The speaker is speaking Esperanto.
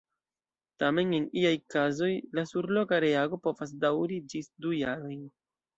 Tamen en iaj kazoj la surloka reago povas daŭri ĝis du jarojn.